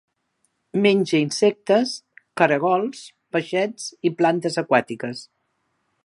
Menja insectes, caragols, peixets i plantes aquàtiques.